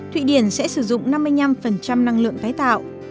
thụy điển sẽ sử dụng năm mươi năm năng lượng tái tạo